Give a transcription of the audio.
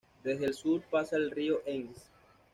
Desde el sur pasa el río Enz.